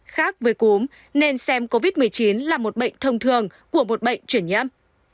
khác với cúm nên xem covid một mươi chín là một bệnh thông thường của một bệnh chuyển nhiễm